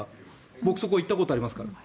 僕、そこに行ったことありますから。